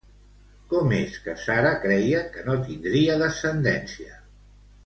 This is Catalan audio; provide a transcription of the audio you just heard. Com és que Sara creia que no tindria descendència?